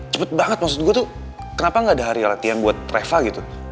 cepet banget maksud gue tuh kenapa gak ada hari latihan buat travel gitu